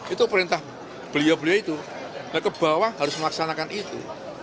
itu perintah beliau beliau itu ke bawah harus melaksanakan itu